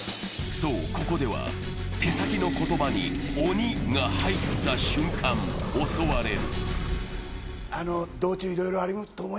そう、ここでは手先の言葉に「鬼」が入った瞬間、襲われる。